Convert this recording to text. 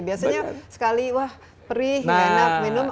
biasanya sekali wah perih enak minum